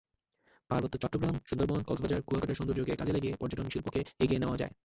পার্বত্য চট্টগ্রাম, সুন্দরবন, কক্সবাজার, কুয়াকাটার সৌন্দর্যকে কাজে লাগিয়ে পর্যটনশিল্পকে এগিয়ে নেওয়া যায়।